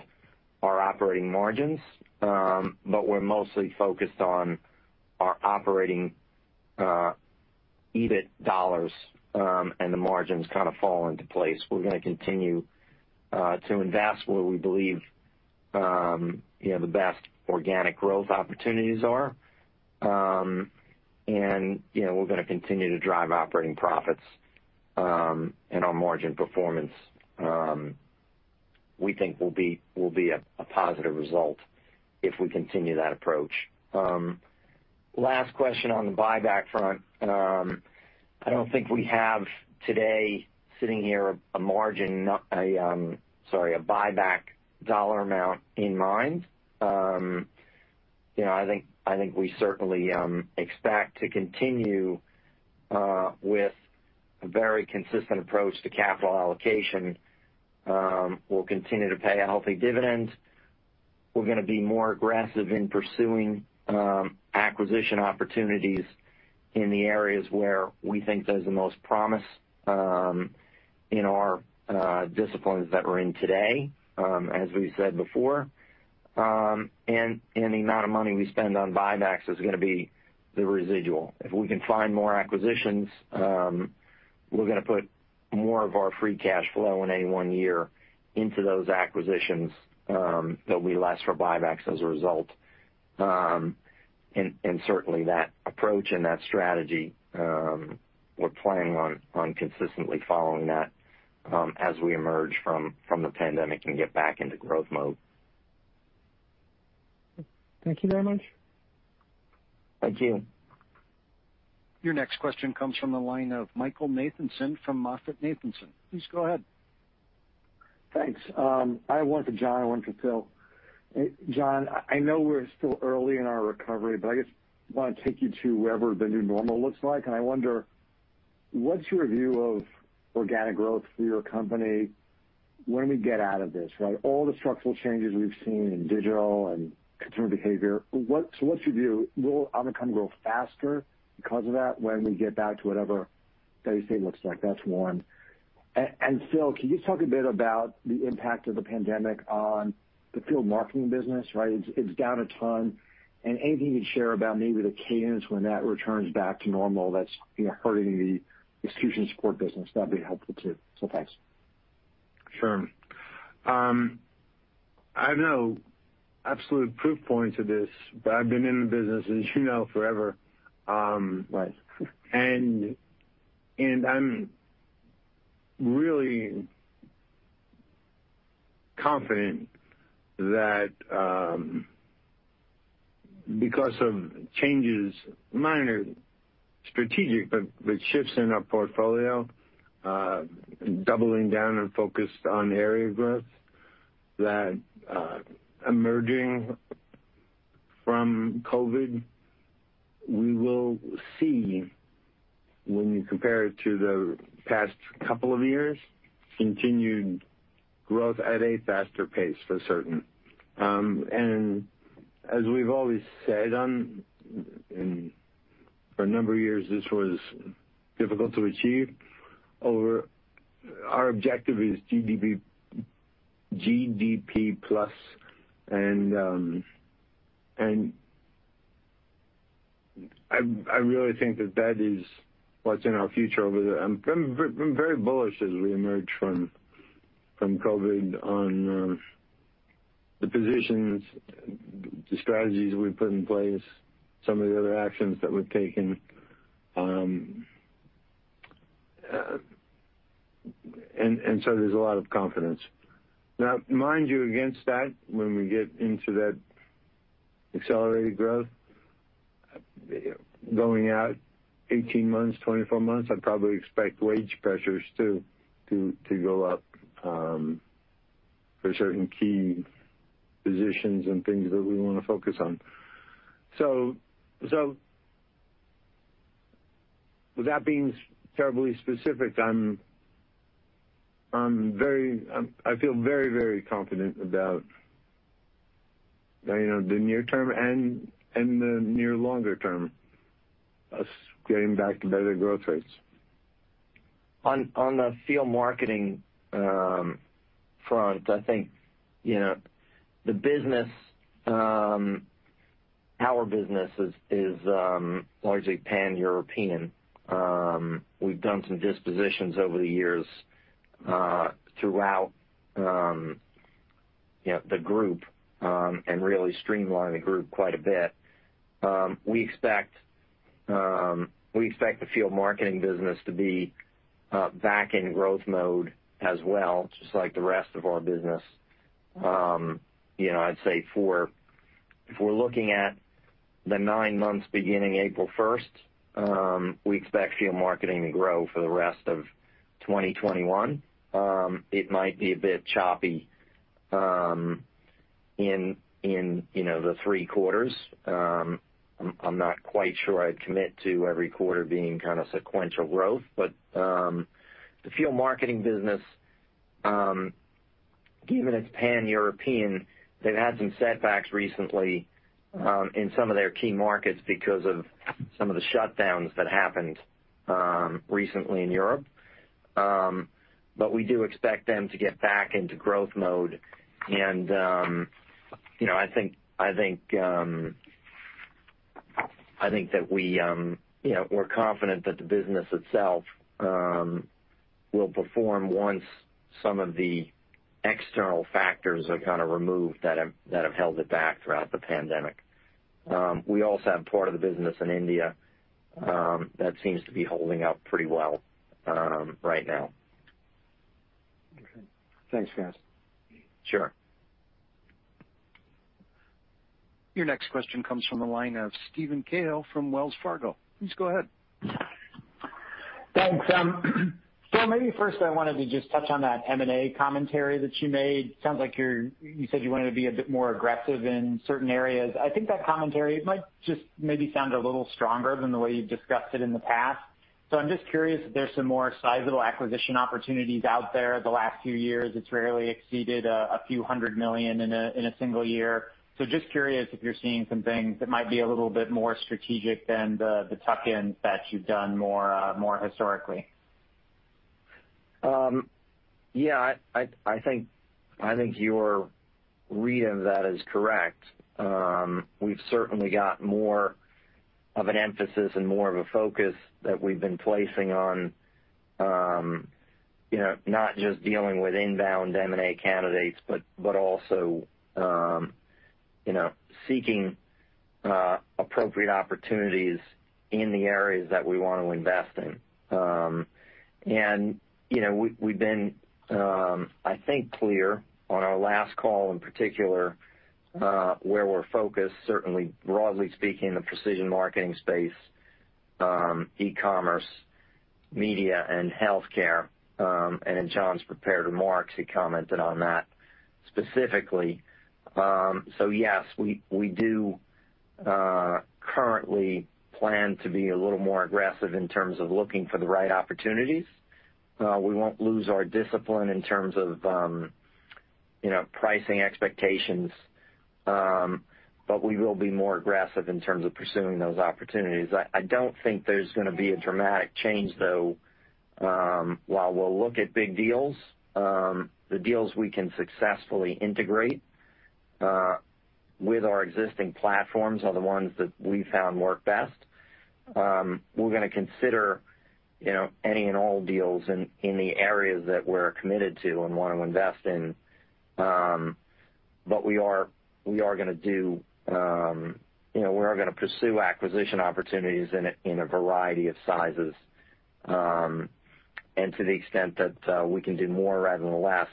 our operating margins. We're mostly focused on our operating EBIT dollars, and the margins kind of fall into place. We're going to continue to invest where we believe the best organic growth opportunities are. We're going to continue to drive operating profits and our margin performance. We think we'll be at a positive result if we continue that approach. Last question on the buyback front. I don't think we have today, sitting here, a buyback dollar amount in mind. I think we certainly expect to continue with a very consistent approach to capital allocation. We'll continue to pay healthy dividends. We're going to be more aggressive in pursuing acquisition opportunities in the areas where we think there's the most promise in our disciplines that we're in today, as we've said before. The amount of money we spend on buybacks is going to be the residual. If we can find more acquisitions, we're going to put more of our free cash flow in any one year into those acquisitions. There'll be less for buybacks as a result. Certainly, that approach and that strategy, we're planning on consistently following that as we emerge from the pandemic and get back into growth mode. Thank you very much. Thank you. Your next question comes from the line of Michael Nathanson from MoffettNathanson. Please go ahead. Thanks. I have one for John, one for Phil. John, I know we're still early in our recovery, but I just want to take you to wherever the new normal looks like, and I wonder, what's your view of organic growth for your company when we get out of this? All the structural changes we've seen in digital and consumer behavior, what's your view? Will Omnicom grow faster because of that when we get back to whatever the new state looks like? That's one. Phil, can you talk a bit about the impact of the pandemic on the field marketing business? It's down a ton, and anything you'd share about maybe the cadence when that returns back to normal that's hurting the execution support business, that'd be helpful too. Thanks. Sure. I have no absolute proof point to this, but I've been in the business, as you know, forever. Right. I'm really confident that because of changes, minor strategic, but with shifts in our portfolio, doubling down and focused on area growth, that emerging from COVID-19, we will see, when you compare it to the past couple of years, continued growth at a faster pace, for certain. As we've always said, and for a number of years this was difficult to achieve, our objective is GDP plus. I really think that is what's in our future. I'm very bullish as we emerge from COVID-19 on the positions, the strategies we've put in place, some of the other actions that we've taken. There's a lot of confidence. Now, mind you, against that, when we get into that accelerated growth, going out 18 months, 24 months, I'd probably expect wage pressures too, to go up for certain key positions and things that we want to focus on. Without being terribly specific, I feel very confident about the near term and the near longer term, us getting back to better growth rates. On the field marketing front, I think our business is largely pan-European. We've done some dispositions over the years throughout the group, and really streamlined the group quite a bit. We expect the field marketing business to be back in growth mode as well, just like the rest of our business. I'd say if we're looking at the nine months beginning April 1st, we expect field marketing to grow for the rest of 2021. It might be a bit choppy in the three quarters. I'm not quite sure I'd commit to every quarter being kind of sequential growth, but the field marketing business, given it's pan-European, they've had some setbacks recently in some of their key markets because of some of the shutdowns that happened recently in Europe. We do expect them to get back into growth mode, and I think that we're confident that the business itself will perform once some of the external factors are kind of removed that have held it back throughout the pandemic. We also have part of the business in India. That seems to be holding up pretty well right now. Okay. Thanks, guys. Sure. Your next question comes from the line of Steven Cahall from Wells Fargo. Please go ahead. Thanks. Phil, maybe first I wanted to just touch on that M&A commentary that you made. Sounds like you said you wanted to be a bit more aggressive in certain areas. I think that commentary might just maybe sound a little stronger than the way you've discussed it in the past. I'm just curious if there's some more sizable acquisition opportunities out there. The last few years, it's rarely exceeded a few hundred million in a single year. Just curious if you're seeing some things that might be a little bit more strategic than the tuck-ins that you've done more historically. Yeah. I think your read of that is correct. We've certainly got more of an emphasis and more of a focus that we've been placing on not just dealing with inbound M&A candidates, but also seeking appropriate opportunities in the areas that we want to invest in. We've been, I think, clear on our last call in particular, where we're focused, certainly broadly speaking, the precision marketing space, e-commerce, media, and healthcare. In John's prepared remarks, he commented on that specifically. Yes, we do currently plan to be a little more aggressive in terms of looking for the right opportunities. We won't lose our discipline in terms of pricing expectations, but we will be more aggressive in terms of pursuing those opportunities. I don't think there's going to be a dramatic change, though. While we'll look at big deals, the deals we can successfully integrate with our existing platforms are the ones that we found work best. We're going to consider any and all deals in the areas that we're committed to and want to invest in. We are going to pursue acquisition opportunities in a variety of sizes. To the extent that we can do more rather than less,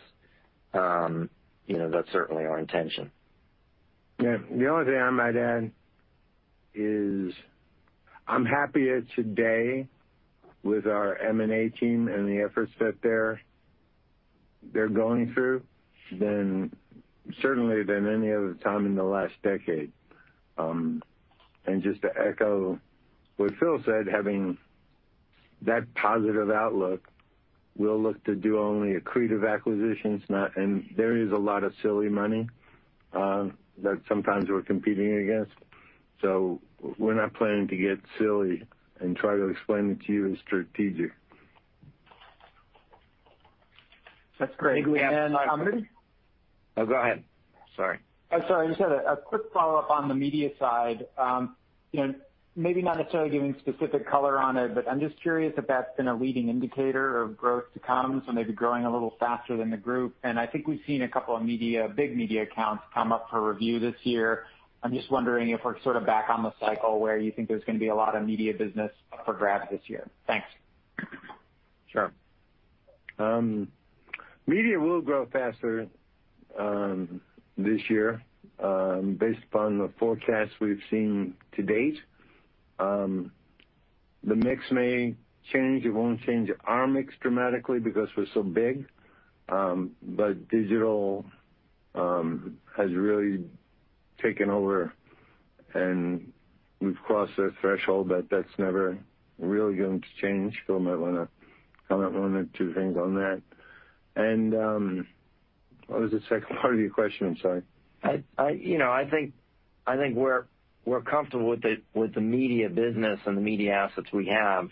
that's certainly our intention. Yeah. The only thing I might add is I'm happier today with our M&A team and the efforts that they're going through certainly than any other time in the last decade. Just to echo what Phil said, having that positive outlook, we'll look to do only accretive acquisitions. There is a lot of silly money that sometimes we're competing against. We're not planning to get silly and try to explain it to you as strategic That's great. I think we have time- Am I muted? No, go ahead. Sorry. Sorry. I just had a quick follow-up on the media side. Maybe not necessarily giving specific color on it, I'm just curious if that's been a leading indicator of growth to come, so maybe growing a little faster than the group. I think we've seen a couple of big media accounts come up for review this year. I'm just wondering if we're sort of back on the cycle where you think there's going to be a lot of media business up for grabs this year. Thanks. Sure. Media will grow faster this year, based upon the forecast we've seen to date. The mix may change. It won't change our mix dramatically because we're so big. Digital has really taken over, and we've crossed that threshold, but that's never really going to change. Phil might want to comment one or two things on that. What was the second part of your question? I'm sorry. I think we're comfortable with the media business and the media assets we have.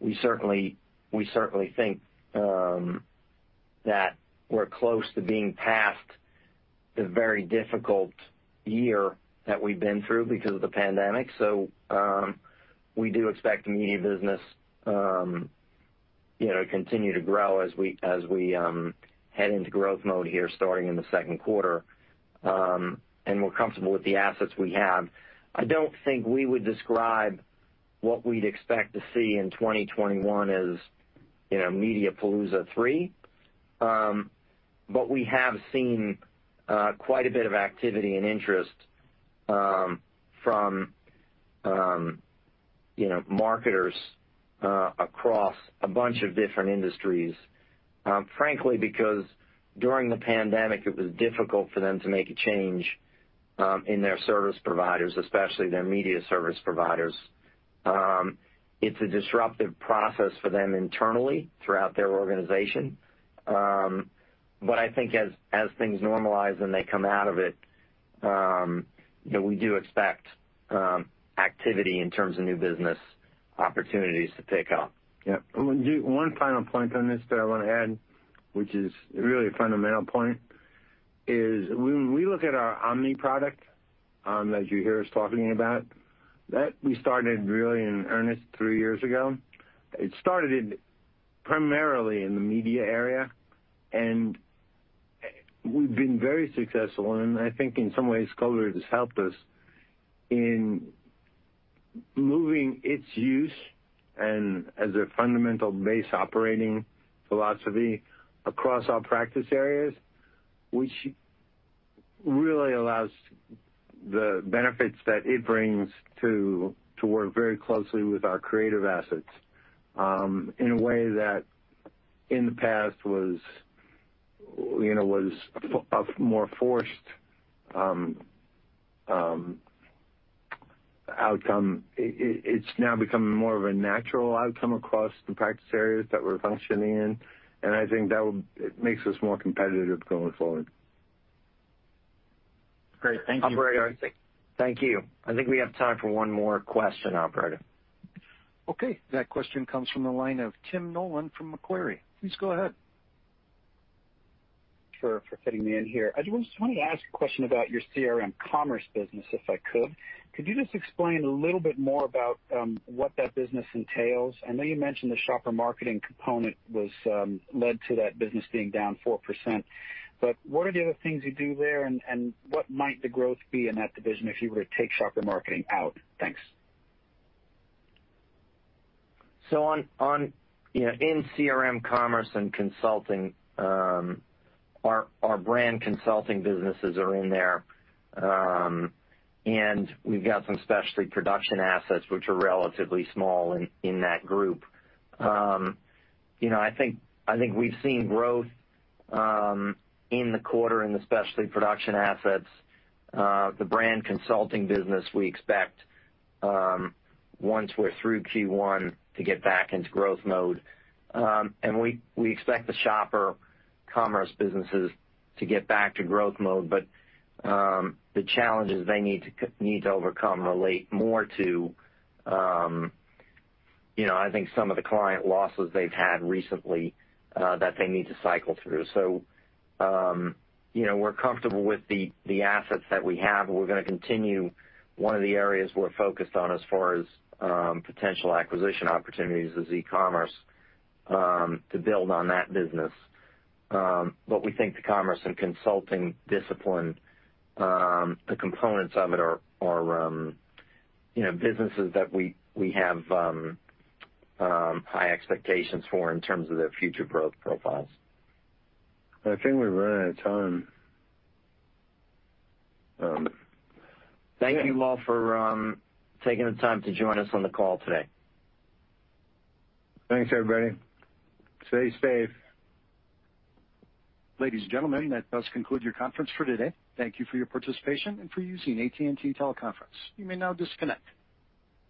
We certainly think that we're close to being past the very difficult year that we've been through because of the pandemic. We do expect the media business to continue to grow as we head into growth mode here, starting in the second quarter. We're comfortable with the assets we have. I don't think we would describe what we'd expect to see in 2021 as Mediapalooza III. We have seen quite a bit of activity and interest from marketers across a bunch of different industries. Frankly, because during the pandemic, it was difficult for them to make a change in their service providers, especially their media service providers. It's a disruptive process for them internally throughout their organization. I think as things normalize when they come out of it, we do expect activity in terms of new business opportunities to pick up. One final point on this that I want to add, which is really a fundamental point, is when we look at our Omni product, that you hear us talking about, that we started really in earnest three years ago. It started primarily in the media area, and we've been very successful, and I think in some ways, COVID has helped us in moving its use and as a fundamental base operating philosophy across our practice areas, which really allows the benefits that it brings to work very closely with our creative assets, in a way that in the past was a more forced outcome. It's now becoming more of a natural outcome across the practice areas that we're functioning in, and I think that it makes us more competitive going forward. Great. Thank you. Operator, Thank you. I think we have time for one more question, operator. Okay, that question comes from the line of Tim Nollen from Macquarie. Please go ahead. Sure, for fitting me in here. I just wanted to ask a question about your CRM commerce business, if I could. Could you just explain a little bit more about what that business entails? I know you mentioned the shopper marketing component led to that business being down 4%, but what are the other things you do there, and what might the growth be in that division if you were to take shopper marketing out? Thanks. In CRM Commerce and consulting, our brand consulting businesses are in there. We've got some specialty production assets which are relatively small in that group. I think we've seen growth in the quarter in the specialty production assets. The brand consulting business, we expect, once we're through Q1, to get back into growth mode. We expect the shopper commerce businesses to get back to growth mode. The challenges they need to overcome relate more to I think some of the client losses they've had recently, that they need to cycle through. We're comfortable with the assets that we have, and we're going to continue one of the areas we're focused on as far as potential acquisition opportunities is e-commerce, to build on that business. We think the commerce and consulting discipline, the components of it are businesses that we have high expectations for in terms of their future growth profiles. I think we're running out of time. Thank you all for taking the time to join us on the call today. Thanks, everybody. Stay safe. Ladies and gentlemen, that does conclude your conference for today. Thank you for your participation and for using AT&T TeleConference. You may now disconnect.